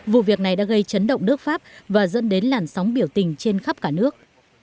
vụ việc này đã gây chấn động nước pháp và dẫn đến làn sóng biểu tình trên khắp cả nước